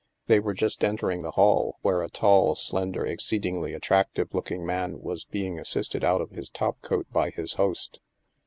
They were just entering the hall where a tall, slender, exceedingly attractive looking man was be ing assisted out of his topcoat by his host.